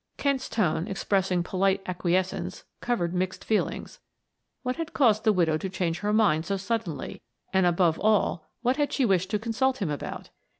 Kent's tone, expressing polite acquiescence, covered mixed feelings. What had caused the widow to change her mind so suddenly, and above all, what had she wished to consult him about?